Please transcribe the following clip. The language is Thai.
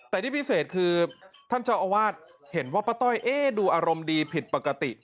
แต่ที่พิเศษคือท่านเจ้าอาวาสเห็นว่าป้าต้อยดูอารมณ์ดีผิดปกติ